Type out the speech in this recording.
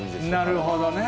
なるほどね。